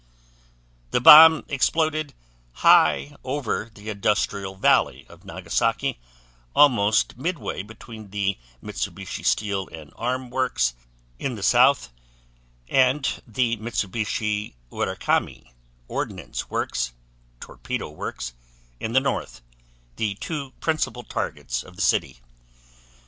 The bomb exploded high over the industrial valley of Nagasaki, almost midway between the Mitsubishi Steel and Arms Works, in the south, and the Mitsubishi Urakami Ordnance Works (Torpedo Works), in the north, the two principal targets of the city.